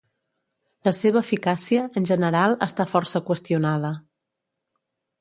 La seva eficàcia, en general, està força qüestionada.